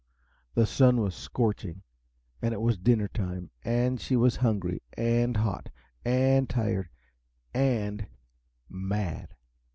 The sun was scorching, and it was dinner time, and she was hungry, and hot, and tired, and "mad."